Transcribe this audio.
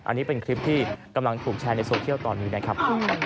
อันนี้เป็นคลิปที่กำลังถูกแชร์ในโซเชียลตอนนี้นะครับ